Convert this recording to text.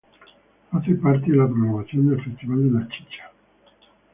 Hace parte de la programación del Festival de la Chicha.